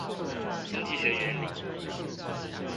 經濟學原理